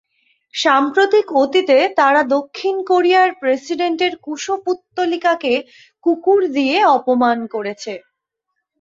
সাম্প্রতিক অতীতে তারা দক্ষিণ কোরিয়ার প্রেসিডেন্টের কুশপুত্তলিকাকে কুকুর দিয়ে অপমান করেছে।